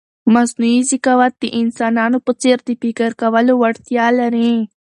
مصنوعي ذکاوت د انسانانو په څېر د فکر کولو وړتیا لري.